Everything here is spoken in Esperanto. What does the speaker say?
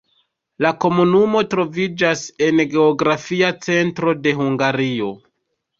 La komunumo troviĝas en geografia centro de Hungario.